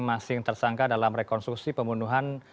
terima kasih yang tersangka dalam rekonstruksi pembunuhan